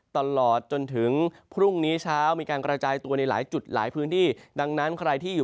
ตลอดจนถึงพรุ่งนี้เช้ามีการกระจายตัวในหลายจุดหลายพื้นที่ดังนั้นใครที่อยู่